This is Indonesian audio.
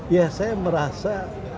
ya saya merasa